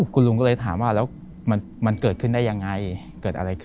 คุณลุงก็เลยถามว่ามันเกิดขึ้นอย่างไร